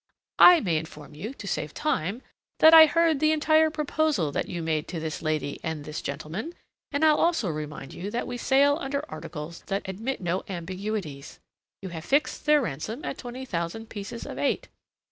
"I may inform you, to save time, that I heard the entire proposal that you made to this lady and this gentleman, and I'll also remind you that we sail under articles that admit no ambiguities. You have fixed their ransom at twenty thousand pieces of eight.